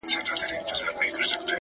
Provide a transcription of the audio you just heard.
هر فکر یو احتمالي راتلونکی دی.